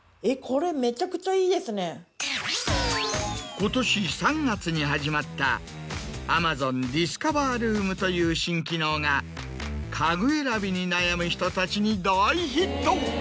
今年３月に始まった「ＡｍａｚｏｎＤｉｓｃｏｖｅｒＲｏｏｍｓ」という新機能が家具選びに悩む人たちに大ヒット。